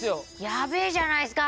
やべえじゃないっすか。